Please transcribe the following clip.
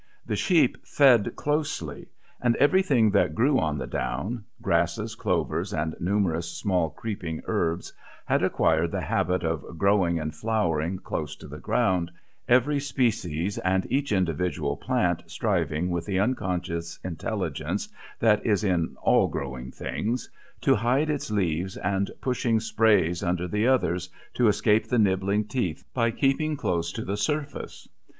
The sheep fed closely, and everything that grew on the down grasses, clovers, and numerous small creeping herbs had acquired the habit of growing and flowering close to the ground, every species and each individual plant striving, with the unconscious intelligence that is in all growing things, to hide its leaves and pushing sprays under the others, to escape the nibbling teeth by keeping closer to the surface.